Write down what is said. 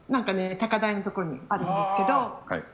高台のところにあるんですけど。